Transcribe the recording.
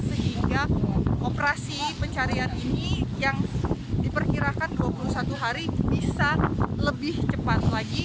sehingga operasi pencarian ini yang diperkirakan dua puluh satu hari bisa lebih cepat lagi